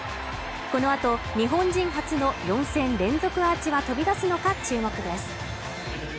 この後日本人初の４戦連続アーチは飛び出すのか注目です。